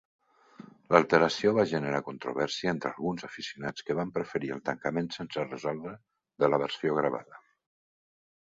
L'alteració va generar controvèrsia entre alguns aficionats que van preferir el tancament sense resoldre de la versió gravada.